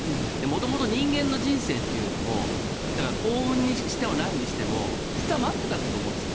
元々、人間の人生というのは幸運にしてもなんにしても実は待っていたんだと思うんです。